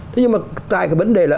thế nhưng mà tại cái vấn đề là